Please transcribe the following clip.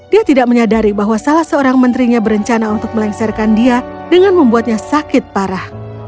dia tidak menyadari bahwa salah seorang menterinya berencana untuk melengsarkan dia dengan membuatnya sakit parah